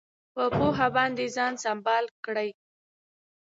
په پوهه باندې خپل ځان سمبال کړئ.